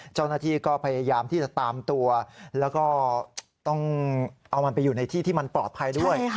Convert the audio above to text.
เจ้าหน้าที่ก็พยายามที่จะตามตัวแล้วก็ต้องเอามันไปอยู่ในที่ที่มันปลอดภัยด้วย